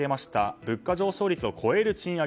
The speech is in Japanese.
物価上昇率を超える賃上げ